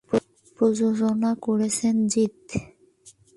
প্রযোজনা করেছেন জিৎ।